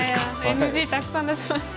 ＮＧたくさん出しました。